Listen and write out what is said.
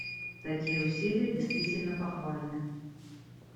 Такие усилия действительно похвальны.